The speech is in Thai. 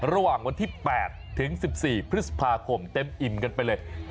ระหว่างวันที่๘ถึง๑๔พฤษภาคมเต็มอิ่มกันไปเลย